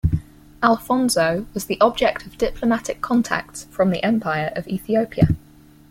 Alfonso was the object of diplomatic contacts from the empire of Ethiopia.